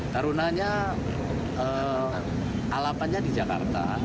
tarunanya alapannya di jakarta